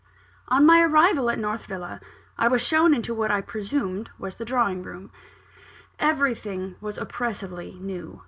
On my arrival at North Villa, I was shown into what I presumed was the drawing room. Everything was oppressively new.